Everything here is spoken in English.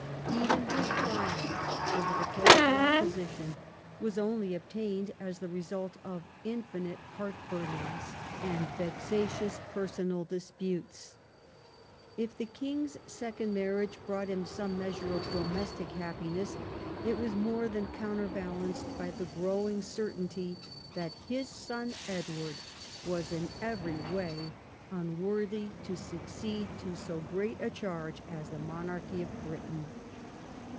Even his triumph over the clerical opposition was only obtained as the result of infinite heart burnings and vexatious personal disputes. If the king's second marriage brought him some measure of domestic happiness, it was more than counterbalanced by the growing certainty that his son Edward was in every way unworthy to succeed to so great a charge as the monarchy of Britain.